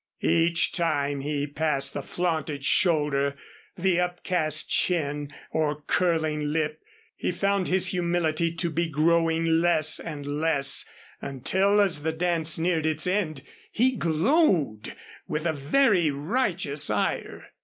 Each time he passed the flaunted shoulder, the upcast chin, or curling lip, he found his humility to be growing less and less until as the dance neared its end he glowed with a very righteous ire.